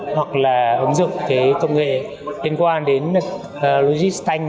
hoặc là ứng dụng về công nghệ liên quan đến logistic tanh